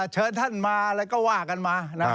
เชิญท่านมาอะไรก็ว่ากันมา